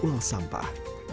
mereka menghasilkan sampah